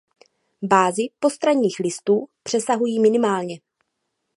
Bázi postranních listů přesahují minimálně.